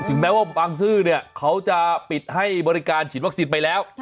แม้ว่าบางซื่อเนี่ยเขาจะปิดให้บริการฉีดวัคซีนไปแล้ว